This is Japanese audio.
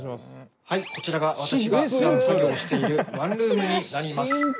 はいこちらが私がふだん作業しているワンルームになります。